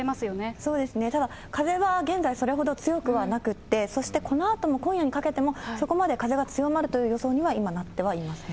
そうですね、ただ風は現在それほど強くはなくって、そして、このあとも、今夜にかけても、そこまで風が強まるという予報には今、なってはいません。